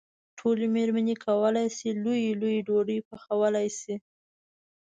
ټولې مېرمنې کولای شي لويې لويې ډوډۍ پخولی شي.